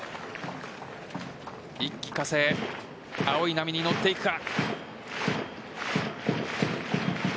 一気呵成、青い波に乗っていくか。